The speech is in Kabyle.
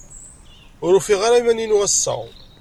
Ur ufiɣ ara iman-inu ass-a.